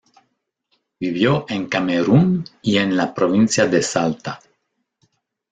Vivió en Camerún y en la provincia de Salta.